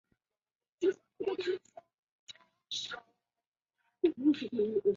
为台湾接受正统水稻遗传与育种训练的先驱之一。